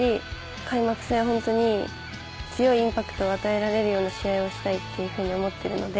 開幕戦は本当に強いインパクトを与えられるような試合をしたいっていうふうに思ってるので。